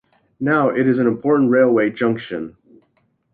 Now it is an important railway junction.